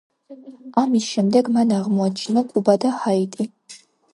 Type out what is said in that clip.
ამის შემდეგ მან აღმოაჩინა კუბა და ჰაიტი.